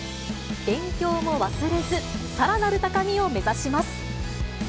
勉強も忘れず、さらなる高みを目指します。